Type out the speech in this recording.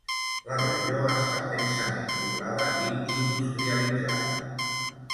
La regió està densament poblada i industrialitzada.